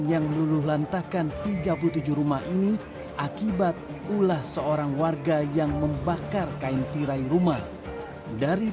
yang meluluh lantakan tiga puluh tujuh rumah ini akibat ulah seorang warga yang membakar kain tirai rumah dari